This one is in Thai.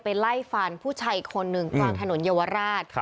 ไล่ฟันผู้ชายอีกคนหนึ่งกลางถนนเยาวราช